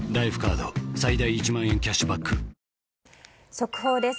速報です。